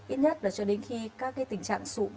ít nhất là cho đến khi các cái tình trạng sụt